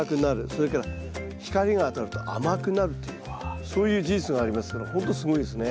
それから光が当たると甘くなるというそういう事実がありますからほんとすごいですね。